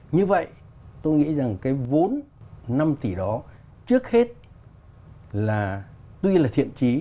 như vậy tôi nghĩ rằng cái vốn năm tỷ đó trước hết là tuy là thiện trí